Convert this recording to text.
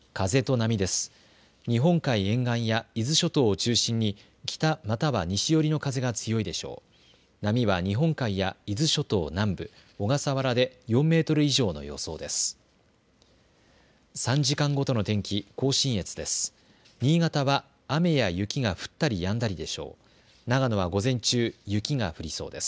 波は日本海や伊豆諸島南部、小笠原で４メートル以上の予想です。